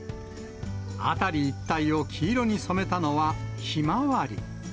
辺り一帯を黄色に染めたのはヒマワリ。